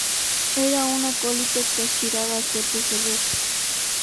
Era un acólito que aspiraba a ser sacerdote.